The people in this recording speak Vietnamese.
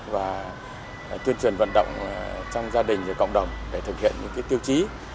và tuyên truyền vận động trong gia đình và cộng đồng để thực hiện những tiêu chí